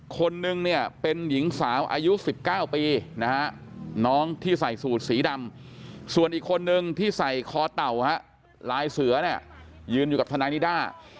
คนนึงเนี่ยเป็นหญิงสาวอายุ๑๙ปีนะฮะน้องที่ใส่สูตรสีดำส่วนอีกคนนึงที่ใส่คอเต่าลายเสือเนี่ยยืนอยู่กับทนายนิด้า